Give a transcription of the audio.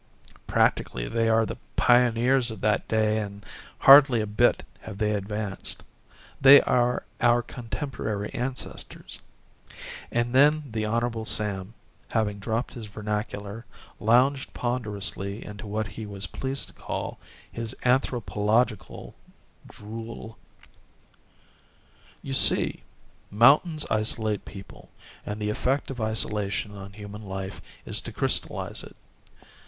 Practically, they are the pioneers of that day and hardly a bit have they advanced. They are our contemporary ancestors." And then the Hon. Sam, having dropped his vernacular, lounged ponderously into what he was pleased to call his anthropological drool. "You see, mountains isolate people and the effect of isolation on human life is to crystallize it.